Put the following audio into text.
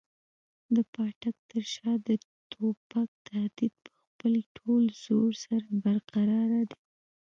د پاټک تر شا د توپک تهدید په خپل ټول زور سره برقراره دی.